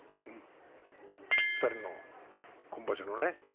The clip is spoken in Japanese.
２人の今場所のね